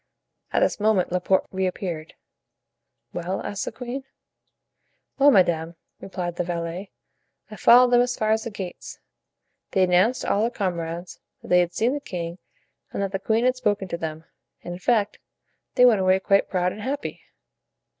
At this moment Laporte reappeared. "Well?" asked the queen "Well, madame," replied the valet, "I followed them as far as the gates. They announced to all their comrades that they had seen the king and that the queen had spoken to them; and, in fact, they went away quite proud and happy."